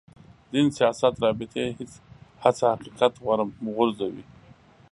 دین سیاست رابطې هڅه حقیقت غورځوي.